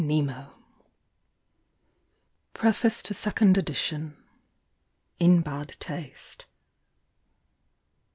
Til PREFACE TO SECOND EDITION. In Bad Taste."